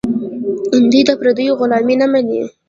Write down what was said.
دوی د پردیو غلامي نه مني.